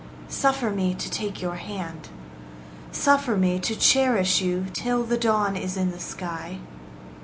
Suffer em to take your hand. Suffer me to cherish you Till the dawn is in the sky.